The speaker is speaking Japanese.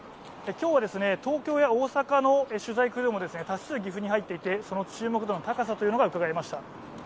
今日は、東京や大阪の取材クルーも多数岐阜に入っていて、その注目度の高さがうかがえました。